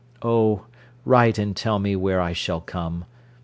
Oh, write and tell me where I shall come.